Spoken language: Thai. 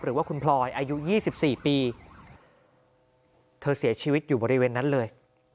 หรือว่าคุณพลอยอายุ๒๔ปีเธอเสียชีวิตอยู่บริเวณนั้นเลย